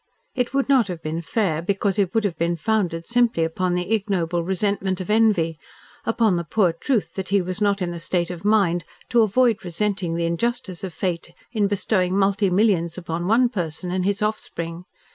It would not have been fair because it would have been founded simply upon the ignoble resentment of envy, upon the poor truth that he was not in the state of mind to avoid resenting the injustice of fate in bestowing multi millions upon one person and his offspring.